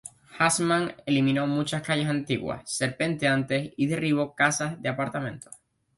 Haussmann eliminó muchas calles antiguas, serpenteantes y derribó casas de apartamentos.